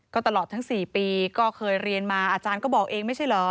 ก็ตลอดทั้ง๔ปีก็เคยเรียนมาอาจารย์ก็บอกเองไม่ใช่เหรอ